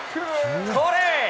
これ。